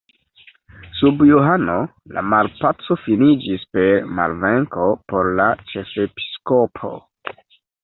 Sub Johano la malpaco finiĝis per malvenko por la ĉefepiskopo.